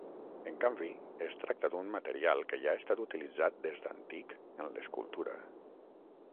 En canvi, es tracta d’un material que ja ha estat utilitzat des d’antic en l’escultura.